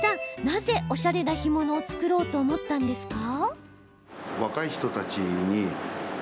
なぜ、おしゃれな干物を作ろうと思ったんですか？